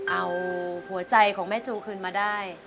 เอาหัวใจของแม่จูคืนมาได้